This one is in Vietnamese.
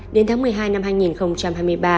đến tháng một mươi hai năm hai nghìn hai mươi ba